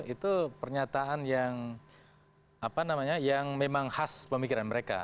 itu pernyataan yang apa namanya yang memang khas pemikiran mereka